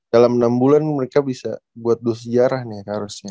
dalam enam bulan mereka bisa buat dua sejarah nih harusnya